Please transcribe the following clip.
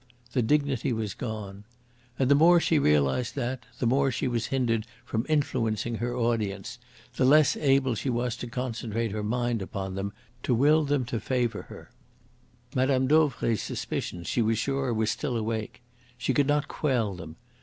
The dignity was gone. And the more she realised that, the more she was hindered from influencing her audience, the less able she was to concentrate her mind upon them, to will them to favour her. Mme. Dauvray's suspicions, she was sure, were still awake. She could not quell them.